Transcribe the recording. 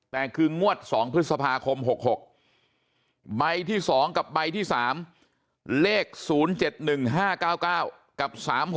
แต่คืองวด๒พฤษภาคม๖๖ใบที่๒กับใบที่๓เลข๐๗๑๕๙๙กับ๓๖